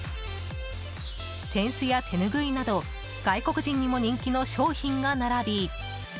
扇子や手ぬぐいなど外国人にも人気の商品が並び。